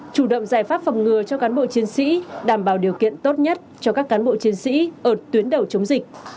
chủ động giải pháp phòng ngừa cho cán bộ chiến sĩ đảm bảo điều kiện tốt nhất cho các cán bộ chiến sĩ ở tuyến đầu chống dịch